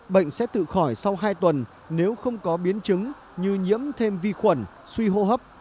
bệnh sẽ tự khỏi sau hai tuần nếu không có biến chứng như nhiễm thêm vi khuẩn suy hô hấp